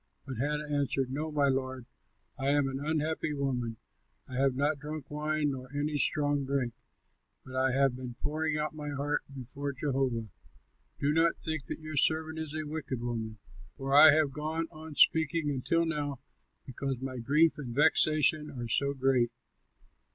But Hannah answered, "No, my lord, I am an unhappy woman; I have not drunk wine nor any strong drink, but I have been pouring out my heart before Jehovah. Do not think that your servant is a wicked woman, for I have gone on speaking until now because my grief and vexation are so great."